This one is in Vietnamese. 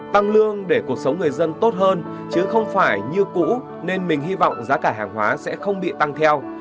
tăng lương để cuộc sống người dân tốt hơn chứ không phải như cũ nên mình hy vọng giá cả hàng hóa sẽ không bị tăng theo